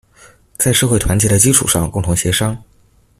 在社會團結的基礎上共同協商